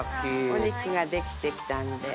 お肉ができてきたんで。